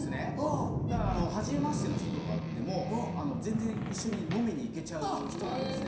だからはじめましての人とかでも全然一緒に飲みに行けちゃう人なんですね。